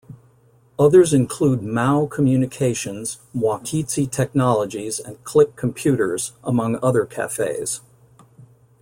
Others include Mao Communications, Mwakitse technologies and Clique computers' among other cafes.